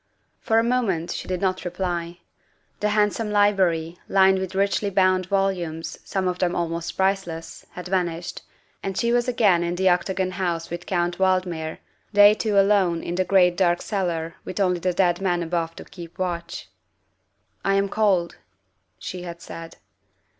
For a moment she did not reply. The handsome library, lined with richly bound volumes, some of them almost priceless, had vanished, and she was again in the Octagon House with Count Valdmir, they two alone in the great dark cellar with only the dead man above to keep watch. " I am cold," she had said.